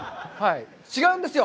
違うんですよ。